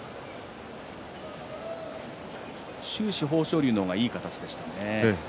終始、豊昇龍がいい形でした。